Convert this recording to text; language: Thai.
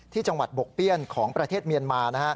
จังหวัดบกเปี้ยนของประเทศเมียนมา